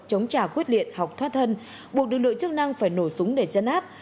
chống trả quyết liện hoặc thoát thân buộc lực lượng chức năng phải nổ súng để chấn áp